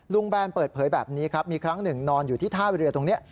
แบนเปิดเผยแบบนี้ครับมีครั้งหนึ่งนอนอยู่ที่ท่าเรือตรงนี้